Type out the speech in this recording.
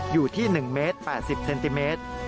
อยู่ที่๑เมตร๘๐เซนติเมตร